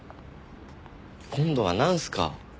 今度はなんすか？